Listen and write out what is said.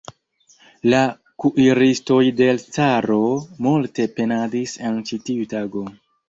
La kuiristoj de l' caro multe penadis en ĉi tiu tago.